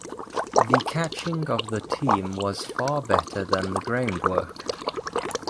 The catching of the team was far better than the ground work.